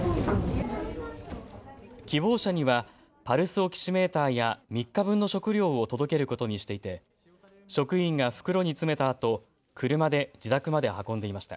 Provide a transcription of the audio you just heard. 希望者にはパルスオキシメーターや３日分の食料を届けることにしていて職員が袋に詰めたあと車で自宅まで運んでいました。